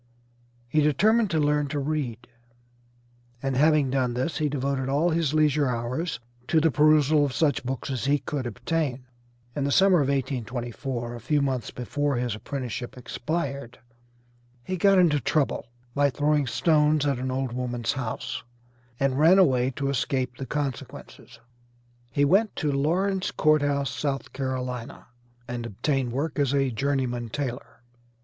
He determined to learn to read, and having done this he devoted all his leisure hours to the perusal of such books as he could obtain. In the summer of 1824, a few months before his apprenticeship expired, he got into trouble by throwing stones at an old woman's house, and ran away to escape the consequences. He went to Lauren's Court House, South Carolina, and obtained work as a journeyman tailor.